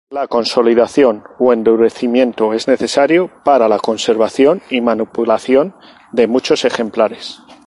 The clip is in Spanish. La consolidación o endurecimiento es necesario para la conservación y manipulación de muchos ejemplares.